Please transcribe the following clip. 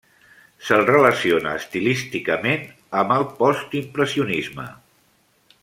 Se'l relaciona estilísticament amb el postimpressionisme.